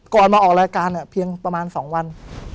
ก่อนมาออกรายการเพียงประมาณ๒วัน